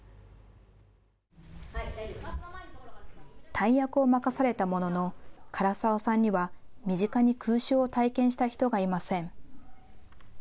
大役を任されたものの柄沢さんには身近に空襲を体験した人がいません。